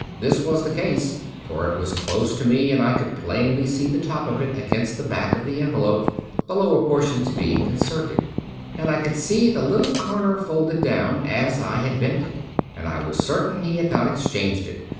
This was the case ; for it was close to me and I could plainly see the top of it against the back of the envelope, the lower portions being inserted; and I could see the little comer folded down, as I had bent it, and I was certain he had not exchanged it.